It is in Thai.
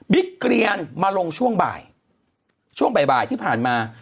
เกรียนมาลงช่วงบ่ายช่วงบ่ายที่ผ่านมา